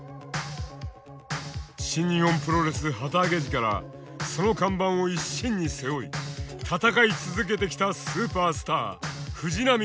新日本プロレス旗揚げ時からその看板を一身に背負い戦い続けてきたスーパースター藤波辰爾。